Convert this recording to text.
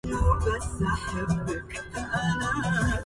أنت للنفس حياة فإذا